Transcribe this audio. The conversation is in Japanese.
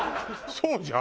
そうじゃん。